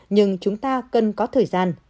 nhưng chúng ta cần có thời gian